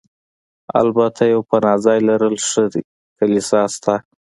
البته یو پناه ځای لرل ښه دي، کلیسا شته.